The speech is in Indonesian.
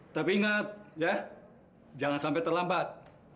tapi ingat ya jangan sampai terlambat